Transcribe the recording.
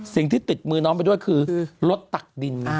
สิ่งที่ติดมือน้องไปด้วยคือรถตักดิน